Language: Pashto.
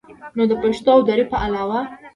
نو د پښتو او دري په علاوه